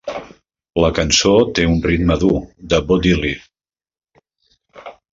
La cançó té un ritme dur de Bo Diddley.